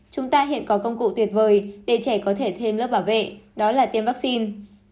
chúng ta hiện có công cụ tuyệt vời để trẻ có thể thêm lớp bảo vệ đó là tiêm vaccine